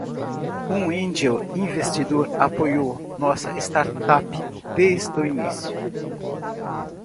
Um angel investor apoiou nossa startup desde o início.